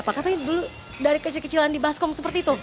pak katanya dulu dari kecil kecilan di baskom seperti itu